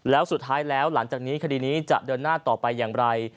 แล้วสุดท้ายแล้วหลังจากนี้คดีนี้จะเดินหน้าต่อไปอย่างไร